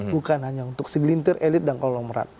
bukan hanya untuk segelintir elit dan kolomerat